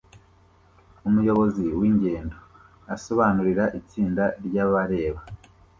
Umuyobozi w'ingendo asobanurira itsinda ry'abareba